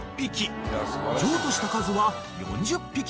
［譲渡した数は４０匹だという］